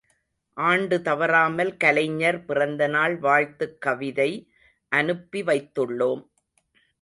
ஆண்டு தவறாமல் கலைஞர் பிறந்தநாள் வாழ்த்துக் கவிதை அனுப்பிவைத்துள்ளோம்.